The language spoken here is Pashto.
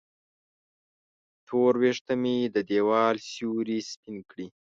تور وېښته مې د دیوال سیورې سپین کړي